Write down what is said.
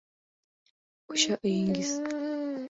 O‘sha uyingizni bilar ekan, yozib berdi.